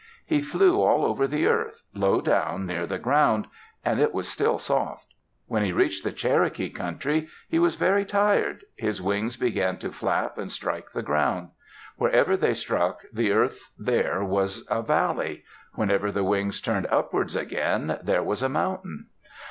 He flew all over the earth, low down near the ground, and it was still soft. When he reached the Cherokee country, he was very tired; his wings began to flap and strike the ground. Wherever they struck the earth there was a valley; whenever the wings turned upwards again, there was a mountain.